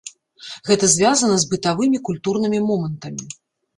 Гэта звязана з бытавымі, культурнымі момантамі.